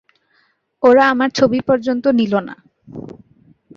ওরা আমার ছবি পর্যন্ত নিলো না।